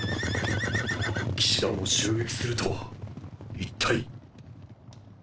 騎士団を襲撃するとはいったい。